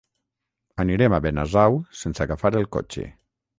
Anirem a Benasau sense agafar el cotxe.